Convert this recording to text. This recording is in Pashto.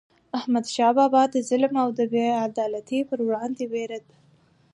احمد شاه بابا د ظلم او بې عدالتی پر وړاندې ودرید.